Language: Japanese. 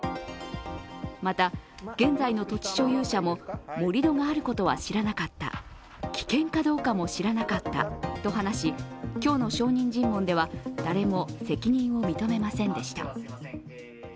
また、現在の土地所有者も盛り土があることは知らなかった、危険かどうかも知らなかったと話し、今日の証人尋問では誰も責任を認めませんでした。